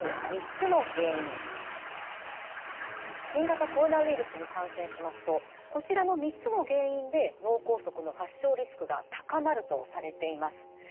新型コロナウイルスに感染しますとこちらの三つの原因で脳梗塞の発症リスクが高まるとされています。